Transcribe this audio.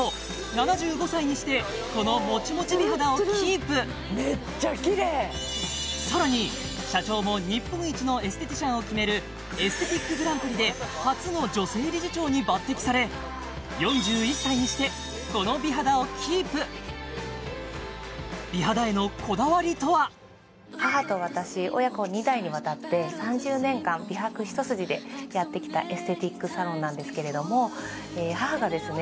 ７５歳にしてこのモチモチ美肌をキープめっちゃキレイさらに社長も日本一のエステティシャンを決めるエステティックグランプリで初の女性理事長に抜てきされ４１歳にしてこの美肌をキープ美肌へのこだわりとは母と私親子二代にわたって３０年間美白一筋でやってきたエステティックサロンなんですけれども母がですね